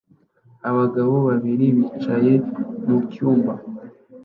Abagabo babiri bicaye mu cyumba